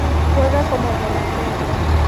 Juega como delantero